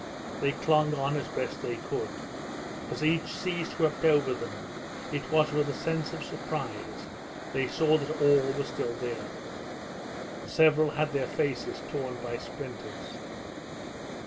They clung on as best they could. As each sea swept over them, it was with a sense of surprise they saw that all were still there. Several had their faces torn by splinters.